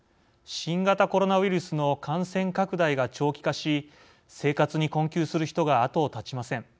新型コロナウイルスの感染拡大が長期化し生活に困窮する人が後を絶ちません。